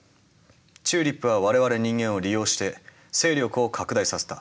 チューリップは我々人間を利用して勢力を拡大させた。